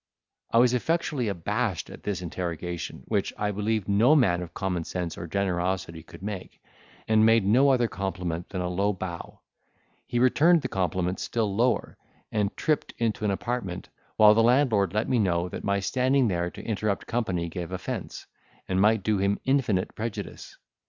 I was effectually abashed at this interrogation, which, I believe, no man of common sense or generosity could make, and made no other compliment than a low bow: he returned the compliment still lower, and tripped into an apartment, while the landlord let me know that my standing there to interrupt company gave offence, and might do him infinite prejudice.